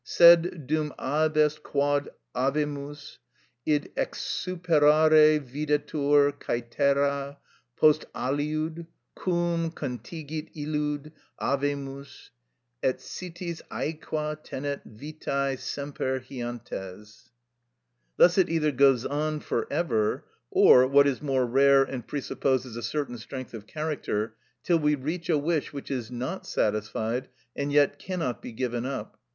"Sed, dum abest quod avemus, id exsuperare videtur Cætera; post aliud, quum contigit illud, avemus; Et sitis æqua tenet vitai semper hiantes."—LUCR. iii. 1095. Thus it either goes on for ever, or, what is more rare and presupposes a certain strength of character, till we reach a wish which is not satisfied and yet cannot be given up.